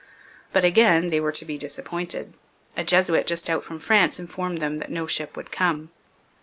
But again they were to be disappointed; a Jesuit just out from France informed them that no ship would come.